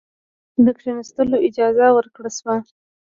د کښېنستلو اجازه ورکړه شوه.